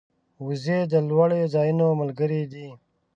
وزې د لوړو ځایونو ملګرې دي